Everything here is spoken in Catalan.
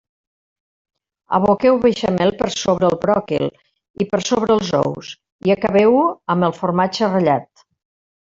Aboqueu beixamel per sobre el bròquil i per sobre els ous, i acabeu-ho amb el formatge ratllat.